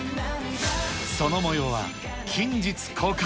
そのもようは近日公開。